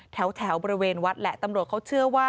แถวบริเวณวัดแหละตำรวจเขาเชื่อว่า